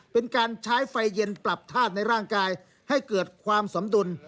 เป็นการใช้ไฟเย็นปรับธาตุในร่างกายให้เกิดความสมดุล